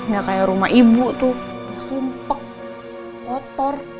gak kayak rumah ibu tuh sumpek kotor